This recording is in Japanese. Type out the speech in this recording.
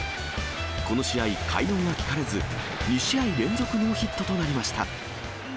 この試合、快音は聞かれず、２試合連続ノーヒットとなりました。